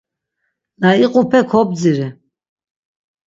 Na iqupe kobdziri.